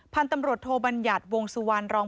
พันธมรตโทบัญญัติวงสุวรรณรอง